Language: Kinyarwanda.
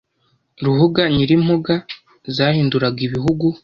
Ruhuga nyiri impuga Zahinduraga ibihugu